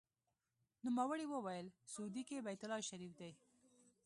نوموړي وویل: سعودي کې بیت الله شریف دی.